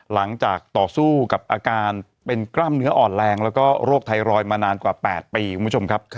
ต่อสู้กับอาการเป็นกล้ามเนื้ออ่อนแรงแล้วก็โรคไทรอยด์มานานกว่า๘ปีคุณผู้ชมครับ